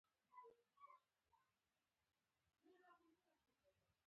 اوسپنې پټلۍ د جوړېدو مخه یې هم نیوله.